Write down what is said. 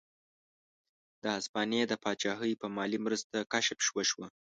د هسپانیا د پاچاهۍ په مالي مرسته کشف وشوه.